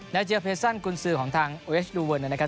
นัดเจอเพศรรภ์กลุ่นสื่อของทางโอเอสดูเวิร์นนะครับ